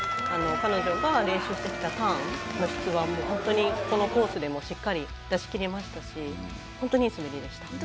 彼女が練習してきたターンの質は本当に、このコースでもしっかり出し切りましたし本当にいい滑りでした。